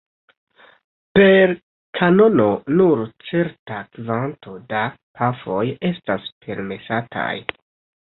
Per kanono nur certa kvanto da pafoj estas permesataj.